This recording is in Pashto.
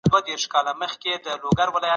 خو بس دا ستا تصوير به كور وران كړو